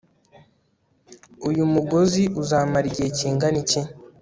Uyu mugozi uzamara igihe kingana iki